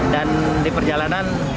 dan di perjalanan